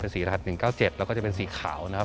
สีรัด๑๙๗แล้วก็จะเป็นสีขาวนะครับ